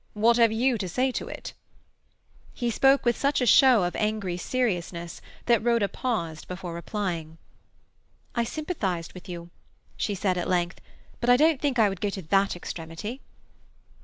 What have you to say to it?" He spoke with such show of angry seriousness that Rhoda paused before replying. "I sympathized with you," she said at length, "but I don't think I would go to that extremity."